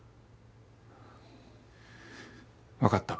わかった。